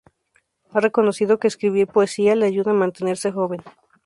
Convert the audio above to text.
Ha reconocido que escribir poesía le ayuda a mantenerse joven.